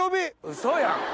うそやん。